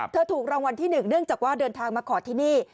ถูกรางวัลที่๑เนื่องจากว่าเดินทางมาขอที่นี่